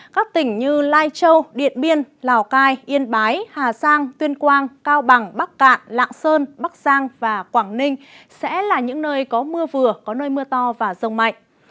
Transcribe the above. các tỉnh như lai châu điện biên lào cai yên bái hà giang tuyên quang cao bằng bắc cạn lạng sơn bắc giang và quảng ninh sẽ là những nơi có mưa vừa có nơi mưa to và rông mạnh